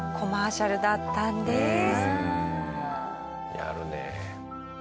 やるねえ。